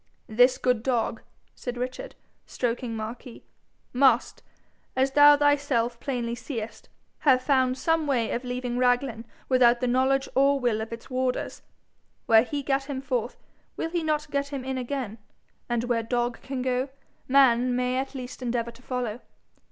'This good dog,' said Richard, stroking Marquis, 'must, as thou thyself plainly seest, have found some way of leaving Raglan without the knowledge or will of its warders. Where he gat him forth, will he not get him in again? And where dog can go, man may at least endeavour to follow.